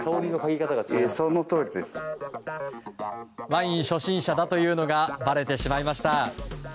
ワイン初心者だというのがばれてしまいました。